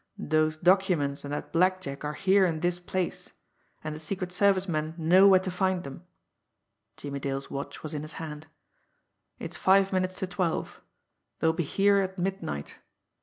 Those documents and that blackjack are here in this place, and the Secret Service men know where to find them." Jimmie Dale's watch was in his hand. "It's five minutes to twelve. They'll be here at midnight.